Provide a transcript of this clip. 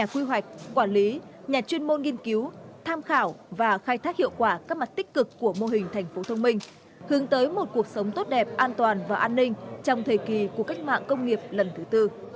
quy hoạch quản lý nhà chuyên môn nghiên cứu tham khảo và khai thác hiệu quả các mặt tích cực của mô hình thành phố thông minh hướng tới một cuộc sống tốt đẹp an toàn và an ninh trong thời kỳ của cách mạng công nghiệp lần thứ tư